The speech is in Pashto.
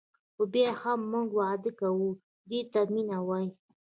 خو بیا هم موږ واده کوو دې ته مینه وايي.